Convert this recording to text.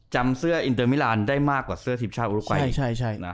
จำเสื้ออินเตอร์มิลานได้มากกว่าเสื้อทีมชาติอุรุกัย